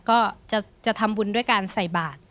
ก็จะทำบุญด้วยการใส่บาท